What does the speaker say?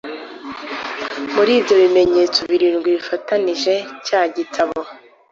muri ibyo bimenyetso birindwi bifatanije cya gitabo,